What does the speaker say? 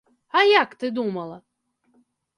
А як ты думала?